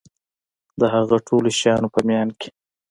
د هغه ټولو شیانو په میان کي